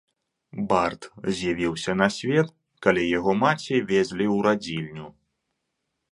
Бард з'явіўся на свет, калі яго маці везлі ў радзільню.